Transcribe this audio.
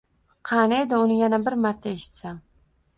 Qani edi uni yana bir marta eshitsam